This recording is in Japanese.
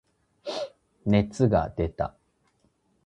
熱が出た。